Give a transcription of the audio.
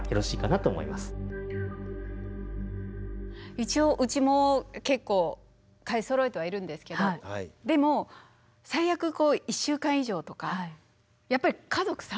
一応うちも結構買いそろえてはいるんですけどでも最悪１週間以上とかやっぱり家族３人１週間とか。